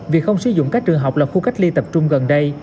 việc không sử dụng các trường học là khu cách ly tập trung gần đây